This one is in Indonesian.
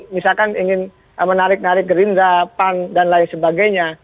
misalkan ingin menarik narik gerindra pan dan lain sebagainya